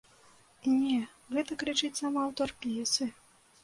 Не, гэта крычыць сам аўтар п'есы.